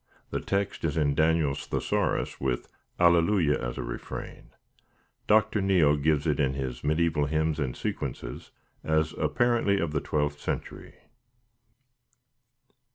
The text is in Daniel's Thesaurus, with "Alleluia" as a refrain. Dr. Neale gives it in his "Mediæval Hymns and Sequences" as "apparently of the twelfth century."